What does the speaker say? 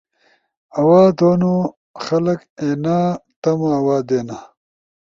آواز دونو، خلگ اینا تم آواز دینا۔